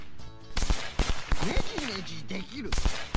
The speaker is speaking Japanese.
「ねじねじできる」。